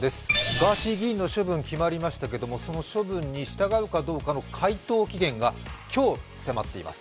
ガーシー議員の処分、決まりましたけどその処分に従うかどうかの回答期限が今日に迫っています。